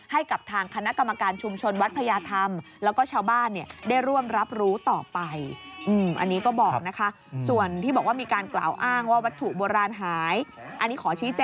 ให้กับทางคณะกรรมการชุมชนวัดพญาธรรมแล้วก็ชาวบ้านได้ร่วมรับรู้ต่อไป